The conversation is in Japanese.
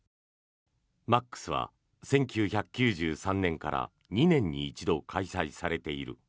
ＭＡＫＳは１９９３年から２年に一度開催されている。